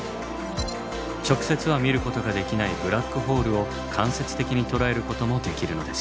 直接は見ることができないブラックホールを間接的に捉えることもできるのです。